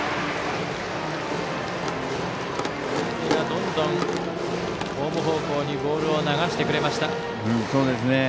どんどんホーム方向にボールを流してくれました。